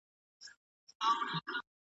سي `